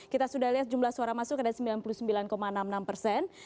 kita sudah lihat jumlah suara masuk ada sembilan puluh sembilan enam puluh enam persen